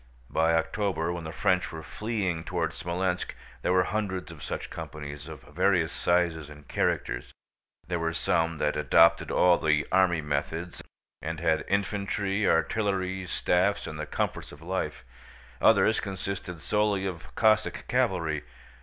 By October, when the French were fleeing toward Smolénsk, there were hundreds of such companies, of various sizes and characters. There were some that adopted all the army methods and had infantry, artillery, staffs, and the comforts of life. Others consisted solely of Cossack cavalry.